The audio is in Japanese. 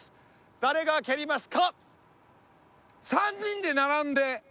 誰が蹴りますか？